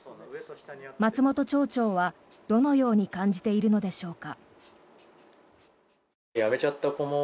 松本町長はどのように感じているのでしょうか。